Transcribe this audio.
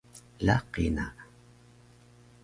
Laqi na